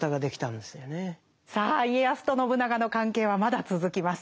さあ家康と信長の関係はまだ続きます。